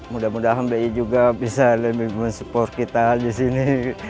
mudah mudahan bi juga bisa lebih mensupport kita di sini